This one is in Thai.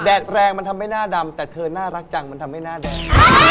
แรงมันทำให้หน้าดำแต่เธอน่ารักจังมันทำให้หน้าแดง